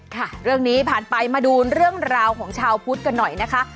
ค่ะเรื่องนี้ผ่านไปมาดูเรื่องราวของชาวพุทธกันหน่อยนะคะ